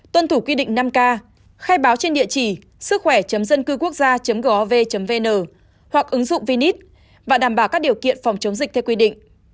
tuân thủ quy định năm k khai báo trên địa chỉ sứckhoẻ dâncưquốcgia gov vn hoặc ứng dụng vnit và đảm bảo các điều kiện phòng chống dịch theo quy định